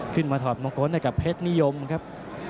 ขึ้นมาถอดมงคลด้วยเพชรนิยมครับ